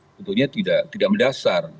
tentunya tidak mendasar